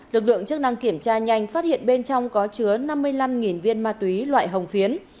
lực lượng chức năng kiểm tra nhanh phát hiện bên trong có chứa năm mươi năm viên ma túy loại hồng phiến